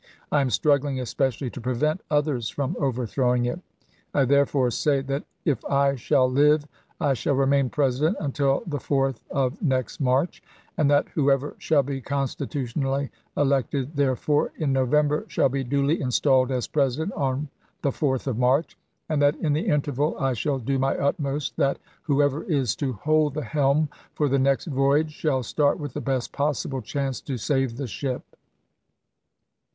I am struggling especially to prevent others from overthrowing it. I therefore say that if I shall live I shall remain President until the 4th of next March ; and that whoever shall be constitutionally elected therefor, in November, shall be duly installed as President on the 4th of March ; and that, in the interval, I shall do my utmost that whoever is to hold the helm for the next voyage shall start with the best possible chance to save the ship.